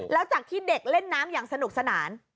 แล้วจากที่เด็กเล่นน้ำอย่างสนุกสนาน